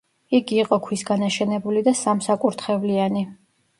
იგი იყო ქვისგან აშენებული და სამსაკურთხევლიანი.